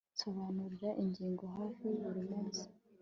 Nsobanura ingingo hafi buri munsi